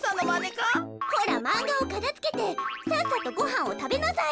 ほらまんがをかたづけてさっさとごはんをたべなさい。